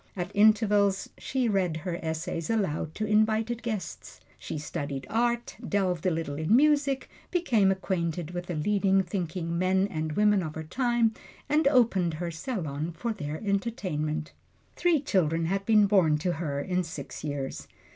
At intervals she read her essays aloud to invited guests. She studied art, delved a little in music, became acquainted with the leading thinking men and women of her time, and opened her salon for their entertainment. Three children had been born to her in six years.